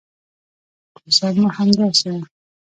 کوڅه مو همداسې ده.